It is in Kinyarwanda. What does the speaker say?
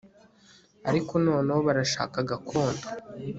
ariko noneho barashaka gakondo